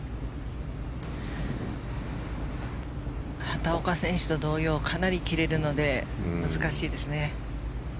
畑岡選手と同様かなり切れるので難しいですね。